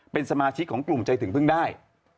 เป็นสมาชิกของกลุ่มใจถึงเพิ่งได้